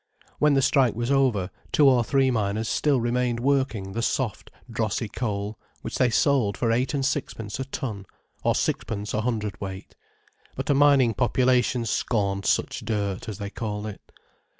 When the strike was over, two or three miners still remained working the soft, drossy coal, which they sold for eight and sixpence a ton—or sixpence a hundredweight. But a mining population scorned such dirt, as they called it.